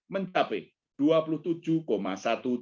mencapai satu tiga persen